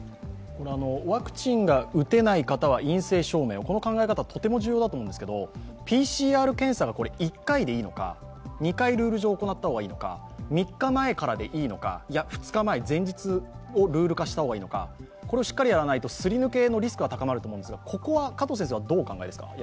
ワクチンが打てない方は陰性証明、この考え方はとても重要だと思うんですけど、ＰＣＲ検査が１回でいいのか２回、ルール上行ったほうがいいのか、３日前か、いや、２日前、前日をルール化した方がいいのかこれをしっかりやらないとすり抜けのリスクが高まると思うんですが、どうお考えですか？